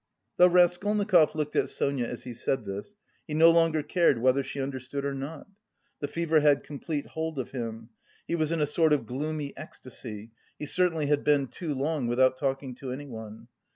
Though Raskolnikov looked at Sonia as he said this, he no longer cared whether she understood or not. The fever had complete hold of him; he was in a sort of gloomy ecstasy (he certainly had been too long without talking to anyone).